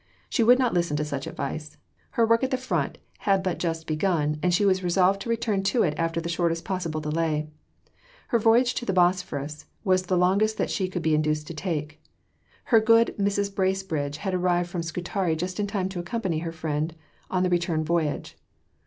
She would not listen to such advice. Her work at the front had but just begun, and she was resolved to return to it after the shortest possible delay. The voyage to the Bosphorus was the longest that she could be induced to take. Her good Mrs. Bracebridge had arrived from Scutari just in time to accompany her friend on the return voyage.